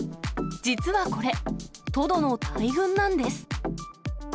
実はこれ、トドの大群なんです。